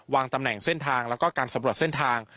ตำแหน่งเส้นทางแล้วก็การสำรวจเส้นทาง